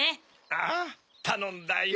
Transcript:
ああたのんだよ。